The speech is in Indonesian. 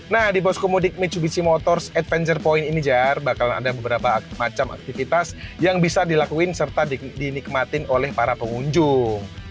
nah di poskomudik mitsubishi motors adventure point ini jar bakal ada beberapa macam aktivitas yang bisa dilakuin serta dinikmatin oleh para pengunjung